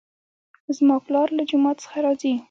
زما پلار له جومات څخه راځي